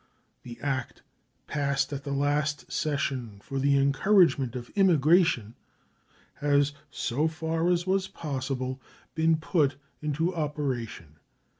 The act passed at the last session for the encouragement of immigration has so far as was possible been put into operation.